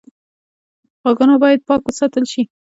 غوږونه باید پاک وساتل شي